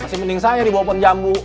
masih mending saya di bawah pohon jambu